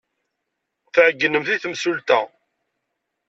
Tɛeyynemt i temsulta.